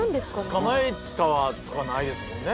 つかまえたとかないですもんね